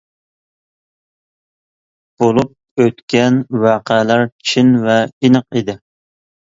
بولۇپ ئۆتكەن ۋەقەلەر چىن ۋە ئېنىق ئىدى.